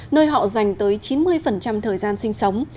nơi họ dành tới chín mươi thời gian sinh sống